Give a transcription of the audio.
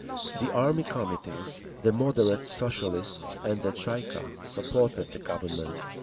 The Army Committees, the "moderate" Socialists and the Tsay ee kah supported the Government.